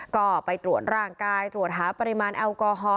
ก็ไปตรวจร่างกายตรวจหาปริมาณแอลกอฮอล